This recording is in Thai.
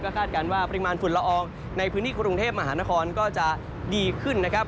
คาดการณ์ว่าปริมาณฝุ่นละอองในพื้นที่กรุงเทพมหานครก็จะดีขึ้นนะครับ